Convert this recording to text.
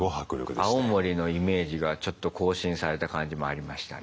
青森のイメージがちょっと更新された感じもありましたね。